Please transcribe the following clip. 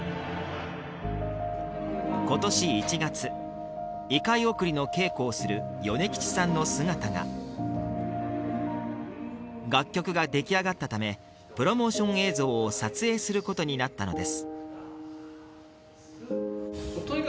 今年１月異界送りの稽古をする米吉さんの姿が楽曲ができあがったためプロモーション映像を撮影することになったのです